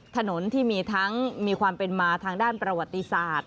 ถนนที่มีทั้งมีความเป็นมาทางด้านประวัติศาสตร์